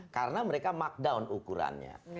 karena mereka mark down ukurannya